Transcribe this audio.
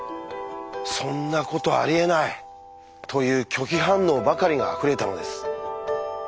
「そんなことありえない！」という拒否反応ばかりがあふれたのです。